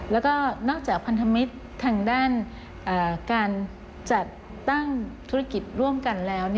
แล้วก็นอกจากพันธมิตรทางด้านการจัดตั้งธุรกิจร่วมกันแล้ว